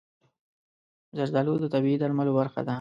زردالو د طبیعي درملو برخه ده.